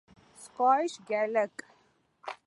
Scottish Gaelic